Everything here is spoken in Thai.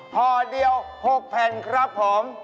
ห่อเดียว๖แผ่นครับผม